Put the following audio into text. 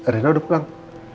rena udah pulang